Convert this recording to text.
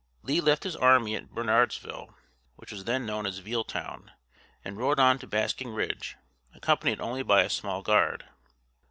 Lee left his army at Bernardsville, which was then known as Vealtown, and rode on to Basking Ridge, accompanied only by a small guard.